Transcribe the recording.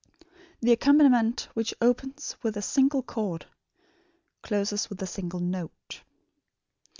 The accompaniment, which opens with a single chord, closes with a single note.